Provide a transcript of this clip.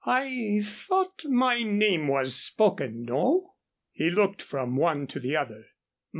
"I thought my name was spoken. No?" He looked from one to the other.